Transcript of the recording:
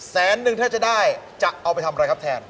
แสนนึงถ้าจะได้จะเอาไปทำอะไรครับแทน